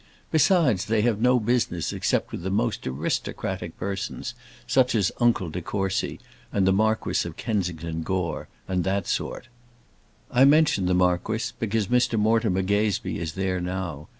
Besides, they have no business except with the most aristocratic persons, such as uncle de Courcy, and the Marquis of Kensington Gore, and that sort. I mention the marquis, because Mr Mortimer Gazebee is there now.